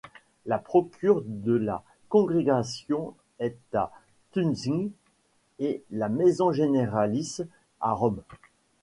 La procure de la congrégation est à Tutzing et la maison généralice à Rome.